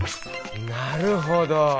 なるほど！